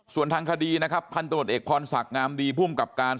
ส่วนทางคดีพันตนวทธิเอกคอนศักดิ์งามดีภูมิกับการ